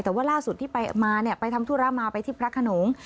แต่ว่าล่าสุดที่ไปทำธุระมาไปที่พระขนม